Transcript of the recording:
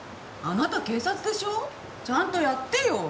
あなた警察でしょ？ちゃんとやってよ！